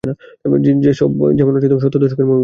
যেমন সত্তর দশকের মুভির মত।